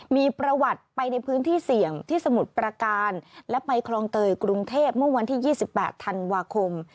มีประวัติไปในพื้นที่เสี่ยงที่สมุทรประการและไปคลองเตยกรุงเทพเมื่อวันที่๒๘ธันวาคม